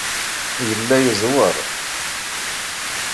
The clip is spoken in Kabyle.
Yella yeẓweṛ.